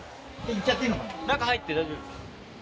中入って大丈夫ですか？